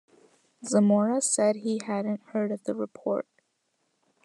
Zamora said he hadn't heard of the report.